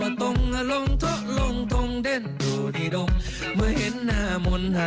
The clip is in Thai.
โอ้ยยยขยับนิดยักษ์คิ้วหน่อยมันเป็นตะหักหลายเหรอไอ้